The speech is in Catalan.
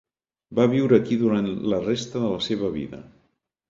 Va viure aquí durant la resta de la seva vida.